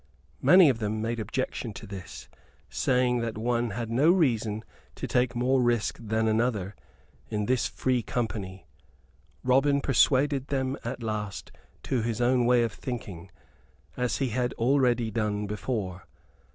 Many of them made objection to this, saying that one had no reason to take more risk than another in this free company. Robin persuaded them at last to his own way of thinking, as he had already done before.